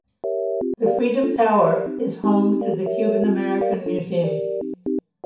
The Freedom Tower is home to the Cuban American Museum.